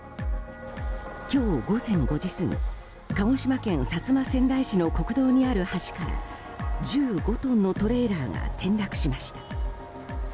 今日午前５時過ぎ鹿児島県薩摩川内市の国道にある橋から１５トンのトレーラーが転落しました。